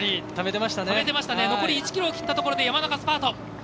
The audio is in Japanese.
残り１ｋｍをきったところで山中がスパート。